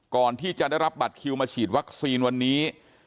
ก่อนที่จะได้รับบัตรคิวมาฉีดวัคซีนวันนี้